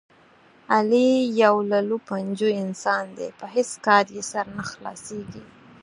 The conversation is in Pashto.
علي یو للوپنجو انسان دی، په هېڅ کار یې سر نه خلاصېږي.